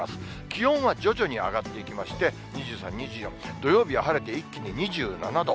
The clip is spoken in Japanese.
気温は徐々に上がっていきまして、２３、２４、土曜日は晴れて、一気に２７度。